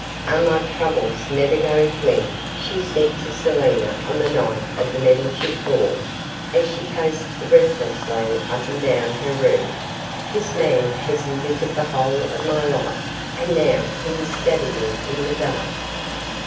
'Are my troubles never going to end?' she said to Selina on the night of the Meddlechip ball, as she paced restlessly up and down her room; 'this man has embittered the whole of my life, and now he is stabbing me in the dark.